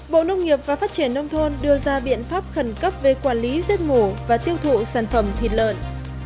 bộ nông nghiệp và phát triển nông thôn đưa ra biện pháp khẩn cấp về quản lý giết mổ và tiêu thụ sản phẩm thịt lợn